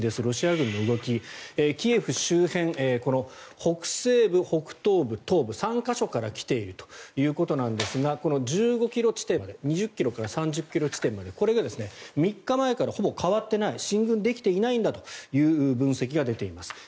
ロシア軍の動き、キエフ周辺北西部、北東部、東部３か所から来ているということなんですがこの１５ｋｍ地点まで２０ｋｍから３０ｋｍ地点までこれが３日前からほぼ変わっていない進軍できていないんだという分析が出ています。